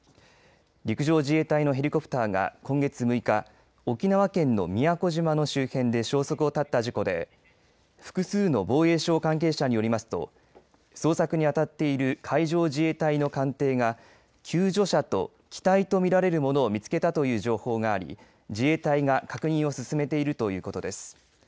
陸上自衛隊のヘリコプターが今月６日沖縄県の宮古島の周辺で消息を絶った事故で複数の防衛省関係者によりますと捜索に当たっている海上自衛隊の艦艇が救助者と機体と見られるものを見つけたという情報があり自衛隊が確認を進めているということです。